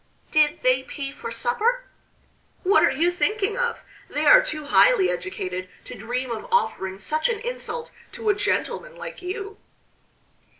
"Did they pay for supper?" "What are you thinking of? They are too highly educated to dream of offering such an insult to a gentleman like you."